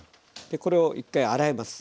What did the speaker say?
これを１回洗います。